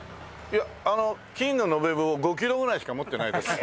いやあの金の延べ棒５キロぐらいしか持ってないです。